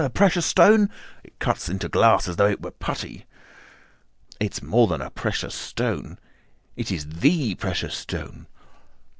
A precious stone. It cuts into glass as though it were putty." "It's more than a precious stone. It is the precious stone."